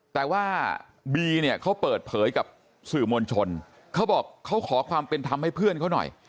แต่ว่าบีเนี่ยเขาเปิดเผยกับสื่อมวลชนเขาบอกเขาขอความเป็นธรรมให้เพื่อนเขาหน่อย